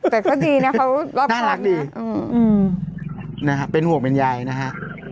แต่เขาดีนะเขารอบครับนะน่ารักดีอืมอืมนะฮะเป็นห่วงเป็นใยนะฮะ